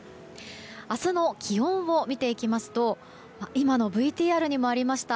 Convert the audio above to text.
明日の気温を見ていきますと今のＶＴＲにもありました